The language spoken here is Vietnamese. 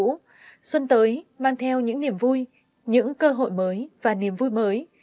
tết là hy vọng xuân tới mang theo những niềm vui những cơ hội mới và niềm vui mới